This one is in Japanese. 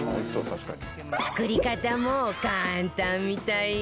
作り方も簡単みたいよ